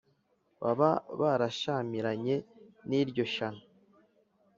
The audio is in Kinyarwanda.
baba barashyamiranye n’iryo shyano